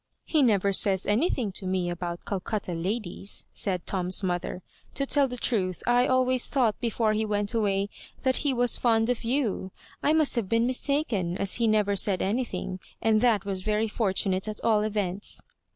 . "He never says anything to me about Cal^ cutta ladies," said Tom's mother; "to tell the truth, I always thought before he went away that be was fond of y<nt — I must have been mis taken, as he never said anything ; and that was very fortunate at all events."